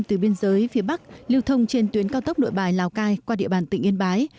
từ biên giới phía bắc liêu thông trên tuyến cao tốc nội bài lào cai qua địa bàn tỉnh yên bái